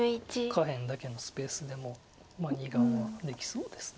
下辺だけのスペースでも２眼はできそうです。